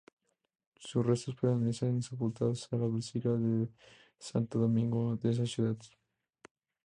Sus restos permanecen sepultados en la basílica de Santo Domingo de esa ciudad.